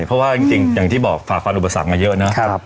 เพราะว่าจริงอย่างที่บอกฝากฟันอุปสรรคมาเยอะนะครับ